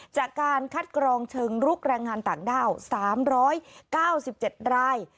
จากการคัดกรองเชิงลุกแรงงานต่างด้าว๓๙๗ราย